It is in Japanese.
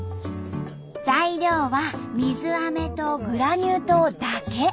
材料は水アメとグラニュー糖だけ。